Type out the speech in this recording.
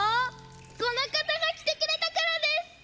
このかたがきてくれたからです！